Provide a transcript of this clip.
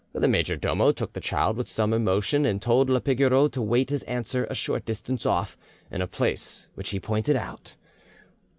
The major domo took the child with some emotion, and told la Pigoreau to wait his answer a short distance off, in a place which he pointed out.